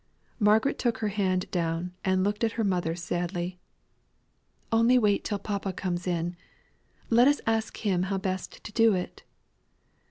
Margaret took her hand down, and looked at her mother sadly. "Only wait till papa comes in. Let us ask him how best to do it?"